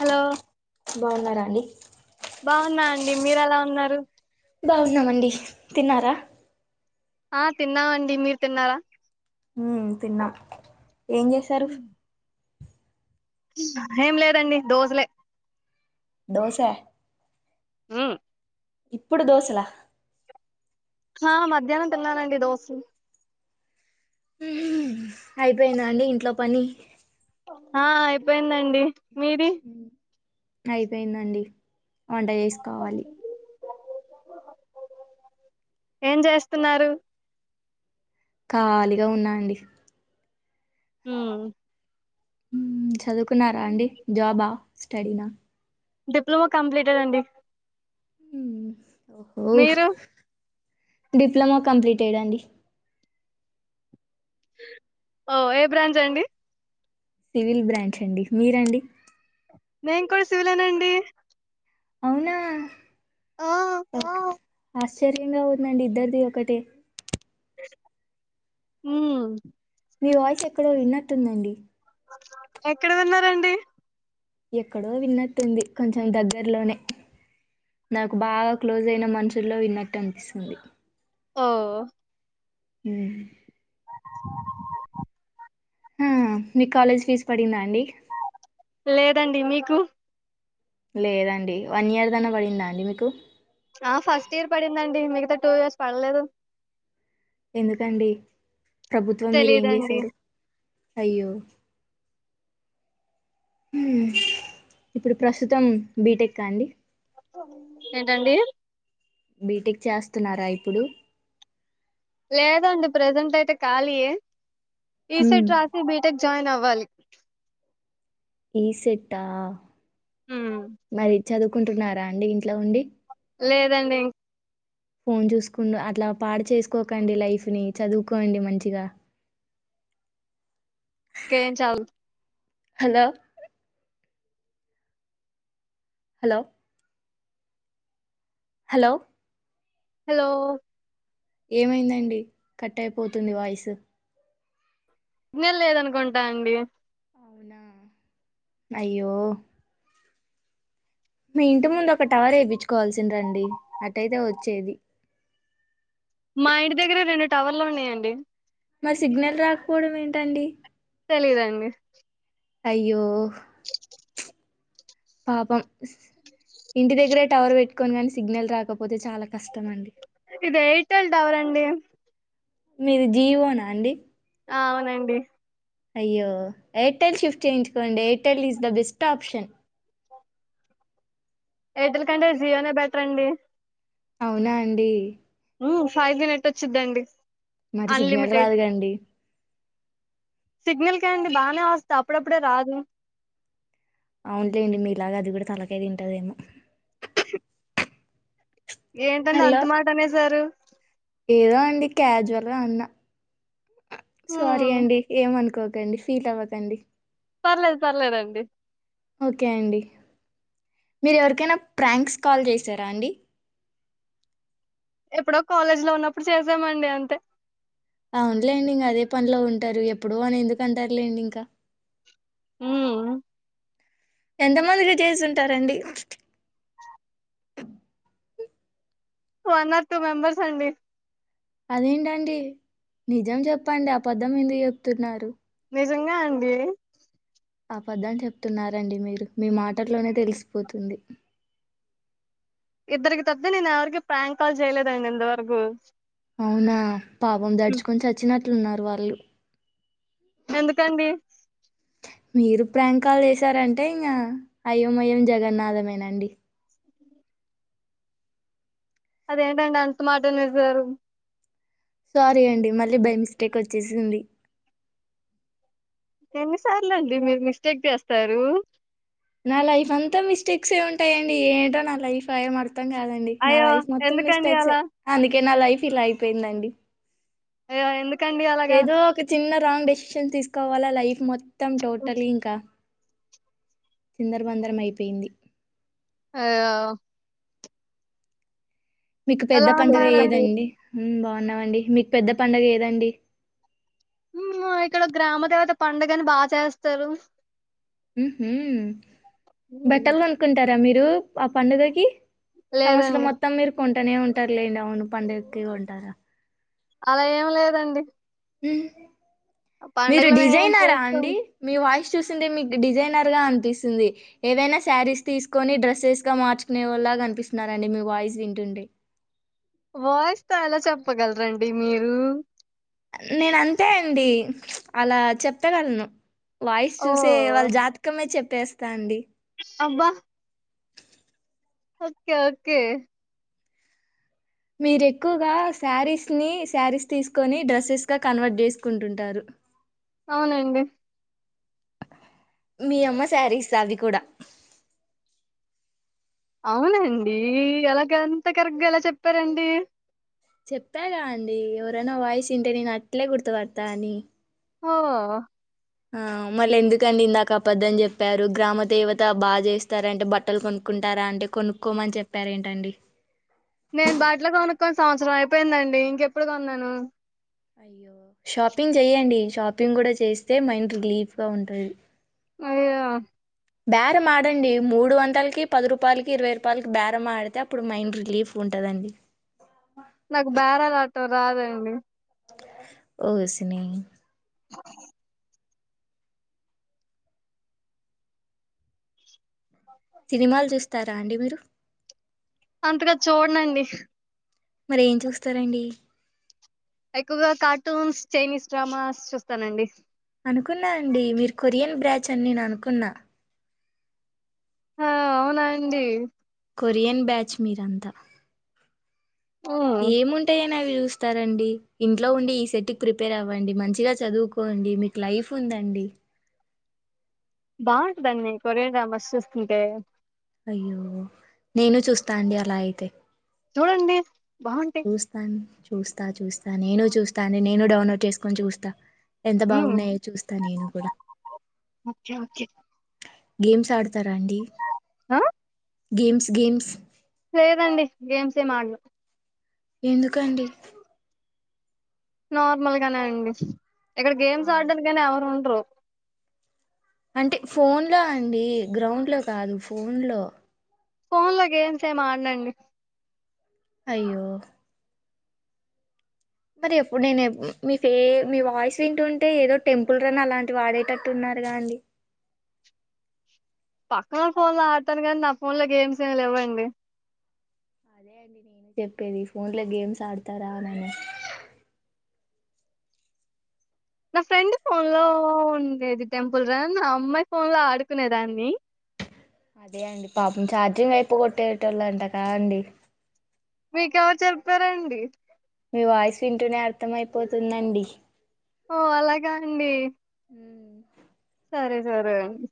Hello బాగున్నారా అండి బాగున్నా అండి మీరెలా ఉన్నారు బాగున్నామండి తిన్నారా ఆ తిన్నామండి మీర్ తిన్నారా ఉమ్ తిన్నాం ఏం జేశారు ఫ్ ఏం లేదండి దోజులే దోస ఉమ్ ఇప్పుడు దోసలా ఆ మధ్యాహ్నం తిన్నానండి దోసలు అయ్ పోయిందా అండి ఇంట్లో ప్ పని ఆ అయిపోయిందండి మీది అయ్ పోయిందండి వంట జేస్కోవాలి ఏం జేస్తున్నారు ఖాళీగ ఉన్నా అండి ఉమ్ మ్ చదువుకున్నారా అండి జాబా స్టడీనా డిప్లొమో కంప్లీటెడ్ అండి ఓహో మీరు డిప్లొమో కంప్లీటెడ్ అండి ఓ ఏ బ్రాంచ్ అండి సివిల్ బ్రాంచ్ అండి మీరండి నేన్ కూడ సివిలేనండి అవునా ఆ ఆ ఆశ్చర్యంగా ఉందండి ఇద్దరిది ఒకటే ఉమ్ మీ వాయ్స్ ఎక్కడో విన్నట్టుందండి ఎక్కడ విన్నారండి ఎక్కడో విన్నట్టుంది కొంచెం దగ్గర్లోనే నాకు బాగ క్లోజయిన మనుషుల్లో విన్నట్టనిపిస్తుంది ఓ హు హు మీ కాలేజ్ ఫీజ్ పడిందా ఆన్ లేదండి మీ కు లేదండి వన్ ఇయర్ దన్న పడిందా అండి మీకు ఆ ఫస్ట్ ఇయర్ పడిందండి మిగతా టూ ఇయర్స్ పడలేదు ఎందుకండి ప్రభుత్వం మీరు ఏం తెలీదండి చేశారు అయ్యో ఇప్పుడు ప్రస్తుతం బీటెక్ కా అండి ఏంటండి బీటెక్ చేస్తున్నారా ఇప్పుడు లేదండి ప్రెజెంట్ అయితే ఖళీయే ఈ మ్మ్. సేట్ రాసి బీటెక్ జాయిన్ అవ్వాలి ఈసెట్ ఆ హ్మ్. మరి చదువ్ కుంటున్నారా అండి ఇంట్లో ఉండి లేదండి ఫోన్ చూసుకుంూ అట్లా పాడు చేసుకోకండి లైఫ్ ని చదువుకోండి మంచిగా కేం చదువుత్ హలో హలో హలో హలో ఏమైందండి కట్ అయిపోతుంది వాయిసు సిగ్నల్ లేదనుకుంటా అండి అవునా అయ్యో మీ ఇంటి ముందు ఒక టవర్ వేయించుకోవాల్సింది అండి అట్టయితే వచ్చేది మా ఇంటి దగ్గర రెండు టవర్లు ఉన్నాయండి మరి సిగ్నల్ రాకపోవడం ఏంటండి తెలియదు అండి అయ్యో పాపం ఇంటి దగ్గరే టవర్ పెట్టుకొని కాని సిగ్నల్ రాకపోతే చాలా కస్ ఇదీ ఎయిర్టెల్ టవర్ అండి మీదీ జీవోనా అండి ఆ అవునండి అయ్యో ఎయిర్టెల్ షిఫ్ట్ చేయించుకోండి Airtel is the best option Airtel కంటే జియోనే బెటర్ అండి అవునా అండి హు ఫైవ్ జి నెట్ వచ్చిందండి మరి సిగ్నల్ రాదుగా అండి సిగ్నల్ కే అండి బాగానే వస్తా అప్పుడప్పుడే రాదు. అవునులేండి. మీ ఇలాగ అది కూడా తలకాయ తింటదేమో ష్ ఏంటండి హలో అంత మాట అనేసారు. ఏదో అండి క్యాజువల్గా అన్నా సారీ హ్మ్. అండి ఏమ అనుకోవద్ అండి ఫీల్ అవ్వకండి. పర్లేదు పర్లేదండి. ఓకే అండి. మీరు ఎవరికైనా ప్ర్రాంక్స్ కాల్ చేసారా అండి. ఎప్పుడో కాలేజ్ లో ఉన్నప్పుడు చేసామండి. అంతే అవునులేండి. ఇంగా అదే పనిలో ఉంటారు. ఎప్పుడు అని ఎందుకు అంటారులేండి. ఇంకా హ్ ఎంతమందికి చేసుంటారండి. వన్ ఆర్ టూ మెంబర్స్ అండి. అదేంటండి నిజం చెప్పండి. ఆ పద్దం ఎందుకు చెప్తున్నారు. నిజంగా అండి ఆపద్దం చెప్తున్నారండి. మీరు మీ మాటల్లోనే తెలిసిపోతుంది. ఇద్దరికి తప్పితే నేను ఎవరికి ప్రాం కాల్ చేయలేదు అండి ఇంతవరకు అవునా పాపం దడుచుకొని చచ్చినట్లు ఉన్నారు వాళ్ళు ఎందుకండి మీరు ప్రాంక్ కాలు చేసారంటే ఇంగా అయ్యో మాయం జగన్నాథమేనండి అదేంటండి అంత మాట ఆనేశారు. సారీ అండి. మళ్ళీ బై మిస్టేక్ వచ్చేసింది. ఎన్నిసార్లు అండి మీరు మిస్టేక్ జెస్తారు. నా లైఫ్ అంతా మిస్టేక్స్ ఏ ఉంటాయి అండి ఏంటో నా లైఫ్ [unintelligible] త్తం కాదండి. నా అయ్యో లైఫ్ మొత్తం ఎందుకండి మీస్టేక్స్ ఏ అలా అందుకే నా లైఫ్ ఫీల్ అయిపోయిందండి. అయ్య ఎందుకు ఏదో ఒక చిన్న స్ట్రాంగ్ డెసిషన్ తీసుకోవాల లైఫ్ మొత్త త్తాం టోటల్లి ఇంకా చిందరబందరం అయిపోయింది. ఆ మీకు పెద్ద ఎలా పండుగ ఉన్నారండి ఏదండి హ్ బాగు ఉన్నం అండి మీకు పెద్ద పండుగ ఏదండి. హ్ ఆ ఇక్కడ గ్రామ దేవత పండుగని బాగా చేస్తారు. హ్ హు బట్టలు కొనుకుంటార్ ర మీరు ఆ పండుగకి సమస్యలు లేదండి మొత్తం మీరు కొంటనే ఉంటారు లేండి అవును పండగకి కొంటారా అలా ఏం లేదండి మ్హ్ మీరు పండగలు మేమేం డిజైనరా చేస్తాం అండి మీ వాయిస్ చూసిందే మీకు డిజైనర్ గా అనిపిస్తుంది ఏదైనా శారీస్ తీసుకొని డ్రెస్సెస్ గా మార్చుకునే వాళ్ళాగా కనిపిస్తున్నారండి మీ వాయిస్ వింటుంటే వాయిస్ తో ఎలా చెప్పగలరండి మీరు నేనంతే అండి అలా చెప్పగలను వాయిస్ చూసే ఓ వాళ్ళ జాతకమే చెప్ ట్టేస్తా అండి అబ్బా ఓకే ఓకే మీరు ఎక్కువగా శారీస్ ని శారీస్ తీసుకొని డ్రెస్సెస్ గా కన్వర్ట్ చేసుకుంటుంటారు అవునండి మీ అమ్మ శారీస్ అవి కూడా అవునండి అలాగ ఎంత కరెక్ట్ గా ఎలా చెప్పారండి చెప్పాగా అండి ఎవరైనా వాయిస్ వింటే నేను అట్లే గుర్తుపడతా అని ఓ ఆ మళ్ళెందుకండి ఇందాక అపద్దం చెప్పారు గ్రామ దేవత బా చేస్తారంటే బట్టలు కొనుక్కుంటారా అంటే కొనుక్కోం అని చెప్పారు ఏంటండి నేను బాటిలో కొనుక్కొని సంవత్సరం అయిపోయిందండి ఇంకెప్పుడు కొన్నాను అయ్యో షాపింగ్ చెయ్యండి షాపింగ్ కూడా చేస్తే మైండ్ రిలీఫ్ గా ఉంటుది అయ్యె బేరం ఆడండి మూడు వందలకి పది రూపాయలకి ఇరవై రూపాయలకి బేరం ఆడితే అప్పుడు మైండ్ రిలీఫ్ ఉంటదండి నాకు బేరాలు ఆడటం రాదండి ఓసినీ సినిమాలు చూస్తారా అండి మీరు అంతగా చూడనండి మరేం చూస్తారండి ఎక్కువగా కార్టూన్స్ చైనీస్ డ్రామాస్ చూస్తానండి అనుకున్నా అండి మీరు కొరియన్ బ్రాచ్ అని నేను అనుకున్నా ఆ అవునా అండి కొరియన్ బ్యాచ్ మీరంతా హ్మ్. ఏముంటాయి [unintelligible] వి చూస్తారండి నవి చూస్తారండి ఇంట్లో ఉండి ఈ సెట్ కి ప్రిపేర్ అవ్వండి మంచిగా చదువుకోండి మీకు లైఫ్ ఉందండి బావుంటదండి నేను కొరియన్ డ్రామాస్ చూస్తుంటే అయ్యో నేనూ చూస్తా అండి అలా అయితే చూడండి బావుంటాయి. చూస్తాను చూస్తా చూస్తా నేనూ చూస్తా అండి నేనూ డౌన్లోడ్ చేసుకొని చూస్తా ఎంత హ్మ్. బాగున్నాయో చూస్తా నేను కూడా ఓకే. ఓకే. గేమ్స్ ఆడు తారండి ఆ? గేమ్స్ గేమ్స్ లేదండి. గేమ్స్ ఏం ఆడ్ను. ఎందుకండి. నార్మల్ గానే అండి. ఇక్కడ ఆ, గేమ్స్ ఆడడానికి కానే ఎవరు ఉండ్రు. అంటే ఫోన్ లో అండి. గ్రౌండ్ లో కాదు ఫోన్ లో ఫోన్ లో గేమ్స్ ఏమి ఆడ్నండి. అయ్యో మరి నేన్ ఎప్పుడు నేనే మీ ఫే మీ వాయిస్ వింటుంటే. ఏదో టెంపుల్ రన్ అలాంటి ఆడేటట్టు ఉన్నారుగా అండి. పక్కనోల్ ఫోన్ లో ఆడతాను గానీ. నా ఫోన్ లో గేమ్స్ ఏమి లేవండి. అదే అండి నేనే చెప్పేది. ఫోన్ లో గేమ్స్ ఆడతారా నని నా ఫ్రెండ్ ఫోన్ లో ఉండేది. టెంపుల్ రన్ ఆ అమ్మాయి ఫోన్ లో ఆడుకునేదాన్ని. అదే అండి. పాపం ఛార్జింగ్ అయిపోగోట్టేటోలాంట కా అండి. మీకెవరు చెప్పారండి. మీ వాయిస్ వింటూనే అర్థం అయిపోతుందండి. ఓ అలాగా అండి. ఉహ్మ్ సరే సరే అండి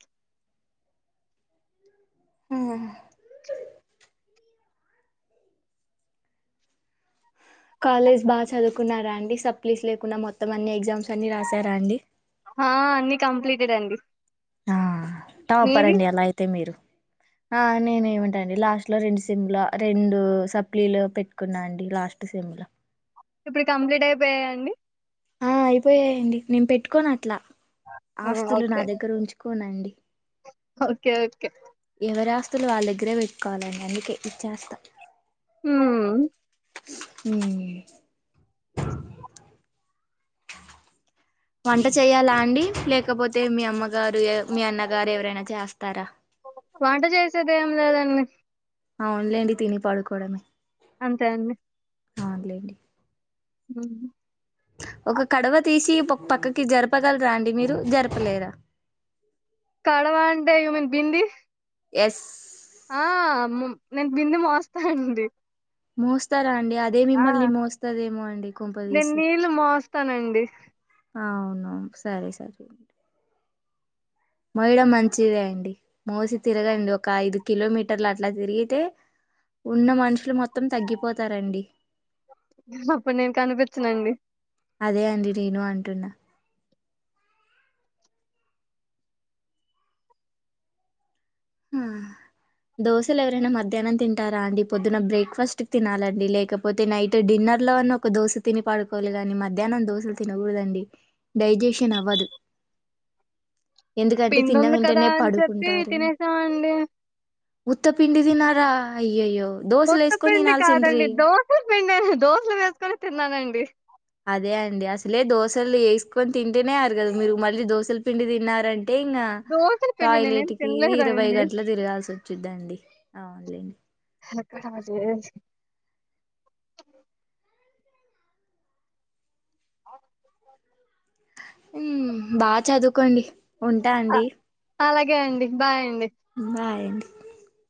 అహ్ కాలేజ్ బాగా చదువుకున్నారా అండి. సప్లీస్ లేకుండా మొత్తం అన్ని ఎగ్జామ్స్ అన్ని రాసారా అండి హా అన్ని కంప్లీట్ మీరండి. ఆహ్ టాపర్ అండి. అలా అయితే మీరు ఆహ్ నేనే ఏమంటాండి లాస్ట్ లో రెండు సెమ్లా రెండు సప్లీలు పెట్టుకున్నా అండి. లాస్ట్ సెమ్లా ఇప్పుడు కంప్లీట్ అయిపోయాయాండి. ఆహ్ అయిపోయాయండి. నేను పెట్టుకోను అట్లా ఆస్తులు నా దగ్గర ఉంచ్ కొనండి ఒకే ఒకే ఎవరాస్తులు వాళ్ళ దగ్గరే పెట్టుకోవాలనిండి. అందుకే ఇచ్చేస్తా. ఉహ్ ఉహ్ వంట చేయ్యాలా అండి. లేకపోతే మీ అమ్మగారు లే మీ అన్నగారు ఎవరైనా చేస్తారా. వంట చేసేదెం లేదండి. అవునులేండి. తిని పడుకోవడమే అంతే అండి. అవున్ లేండి ఉహ్ హు ఒక కడవ తీసి ఒక్ పక్కకి జరపగలరా అండి. మీరు జరపలేరా కడవాంటే యామిన్ బింది. ఎస్ ఆహ్ మో నేను బింది మోస్తా అండి. మోస్తార డి. అదే మిమ్మల్ని మోస్తదేమో అండి. కొంపదీసి తనండి అవునవును సరే సరే డి మోయడం మంచిదే అండి మోసి తిరగండి ఒక ఐదు కిలోమీటర్లు అట్లా తిరిగితే ఉన్న మనుషులు మొత్తం తగ్గిపోతారండి హా అప్పుడు నేను కనిపించనుండి పెట్న్నా ఆ దోశలు ఎవరైనా మధ్యాహ్నం తింటారా అండి పొద్దున బ్రేక్ఫాస్ట్ తినాలండి లేకపోతే నైట్ డిన్నర్ లో అన్న ఒక దోశ తిని పడుకోవాలి నీ మధ్యాహ్నం దోశలు తినకూడదండి డైజెషన్ అవ్వదు ఎందుకంటే పింద తిన్న ఉంది కదా వెంటనే అని చెప్పి పడుకుంటారు తినేసాంమండి హ్మ్ ఇత్త పిండి దినారా అయ్యయ్యో దోశలు వేసుకొని కొత్తపిండి తినాల్సిండ్రి కాదండి దోసల పిండి దోసలు వేసుకొని తిన్నానండి అదే అండి అసలే దోసలు వేసుకొని తింటేనేరు కదా మీరు మళ్ళీ దోసల పిండి తిన్నారండి అంటే ఇంకా దోశల పిండి నేనేం టాయిలెట్ కి ఇరవై తినలేదండి గంటల తిరగాల్సి వచ్చిందండి అవునులేండి [unintelligible] చే ఆ [inaudible] ఉమ్ బా చదువుకోండి ఉంటా ఆ, అండి అలాగే అండి బాయ్ అండి బాయ్